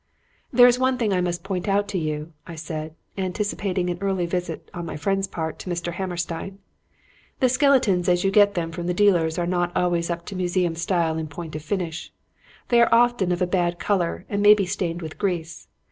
"'There is one thing I must point out to you,' I said, anticipating an early visit on my friend's part to Mr. Hammerstein; 'the skeletons as you get them from the dealers are not always up to museum style in point of finish. They are often of a bad color and may be stained with grease.